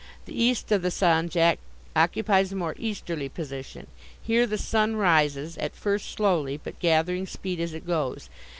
The east of the Sanjak occupies a more easterly position. Here the sun rises at first slowly, but gathering speed as it goes.